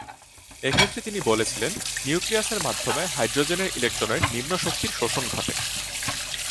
এক্ষেত্রে তিনি বলেছিলেন, নিউক্লিয়াসের মাধ্যমে হাইড্রোজেনের ইলেকট্রনের নিম্ন শক্তির শোষণ ঘটে।